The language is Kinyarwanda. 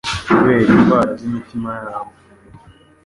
kubera indwara z'imitima yabo.